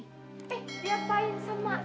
eh diapain saya